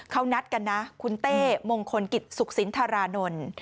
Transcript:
เขานัดกันนะคุณเต้มงคลกิจสุขสินธารานนท์